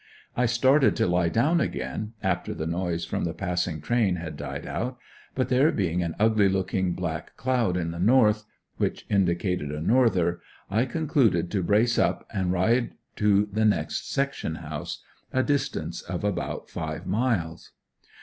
I started to lie down again, after the noise from the passing train had died out, but there being an ugly looking black cloud in the north, which indicated a norther, I concluded to brace up and ride to the next section house, a distance of about five miles.